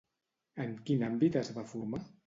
En quin àmbit es va formar?